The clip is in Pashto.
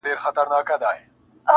• پولادي قوي منګول تېره مشوکه -